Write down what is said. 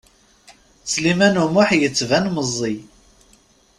Sliman U Muḥ yettban meẓẓi.